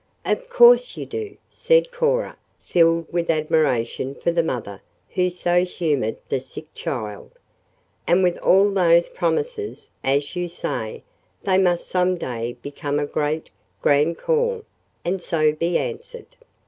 "Of course you do," said Cora, filled with admiration for the mother who so humored the sick child. "And with all those promises, as you say, they must some day become a great, grand call, and so be answered."